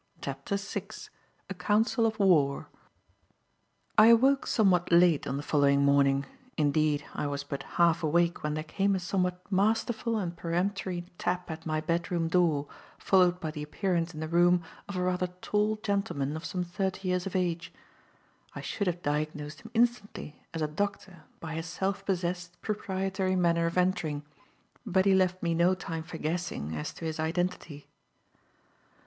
CHAPTER VI A COUNCIL OF WAR I AWOKE somewhat late on the following morning; indeed, I was but half awake when there came a somewhat masterful and peremptory tap at my bedroom door, followed by the appearance in the room of a rather tall gentleman of some thirty years of age. I should have diagnosed him instantly as a doctor by his self possessed, proprietary manner of entering, but he left me no time for guessing as to his identity.